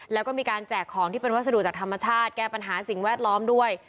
แล้วก็มีการแจกของที่เป็นวัสดุจากธรรมชาติแก้ปัญหาสิ่งแวดล้อมด้วย